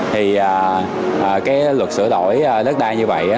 thì cái luật sửa đổi đất đai như vậy